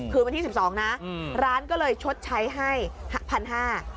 คืนวันที่๑๒นะร้านก็เลยชดใช้ให้พันห้า